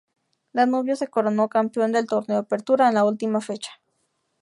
Danubio se coronó campeón del Torneo Apertura en la última fecha.